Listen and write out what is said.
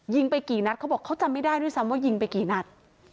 ไปกี่นัดเขาบอกเขาจำไม่ได้ด้วยซ้ำว่ายิงไปกี่นัด